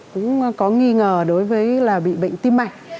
cũng có nghi ngờ đối với là bị bệnh tim mạch